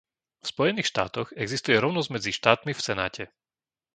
V Spojených štátoch existuje rovnosť medzi štátmi v Senáte.